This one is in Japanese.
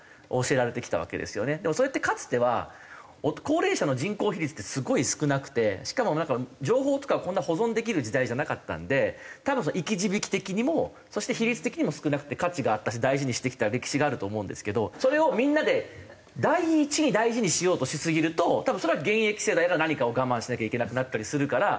でもそれってかつては高齢者の人口比率ってすごい少なくてしかも情報とかをこんな保存できる時代じゃなかったんで多分生き字引的にもそして比率的にも少なくて価値があったし大事にしてきた歴史があると思うんですけどそれをみんなで第一に大事にしようとしすぎると多分それは現役世代が何かを我慢しなきゃいけなくなったりするから。